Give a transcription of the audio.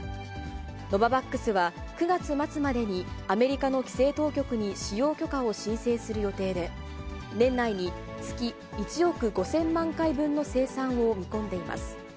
ノババックスは、９月末までにアメリカの規制当局に使用許可を申請する予定で、年内に月１億５０００万回分の生産を見込んでいます。